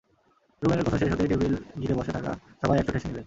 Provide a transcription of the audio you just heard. রুমেনের কথা শেষ হতেই টেবিল ঘিরে বসে থাকা সবাই একচোট হেসে নিলেন।